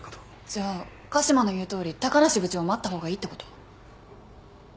じゃあ嘉島の言うとおり高梨部長を待った方がいいってこと？